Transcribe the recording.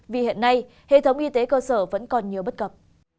vì hiện nay hệ thống y tế cơ sở vẫn còn nhiều bất cập